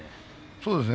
そうですね。